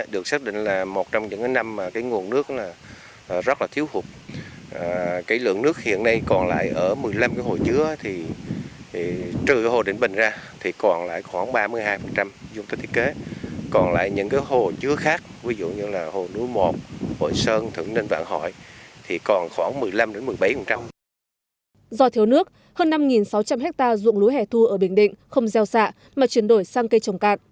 do thiếu nước hơn năm sáu trăm linh hectare dụng lúa hè thu ở bình định không gieo xạ mà chuyển đổi sang cây trồng cạn